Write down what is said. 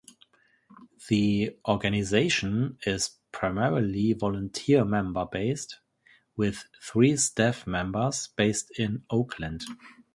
The organization is primarily volunteer member-based, with three staff members based in Oakland.